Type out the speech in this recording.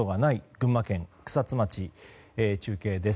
群馬県草津町から中継です。